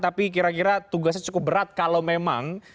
tapi kira kira tugasnya cukup berat kalau memang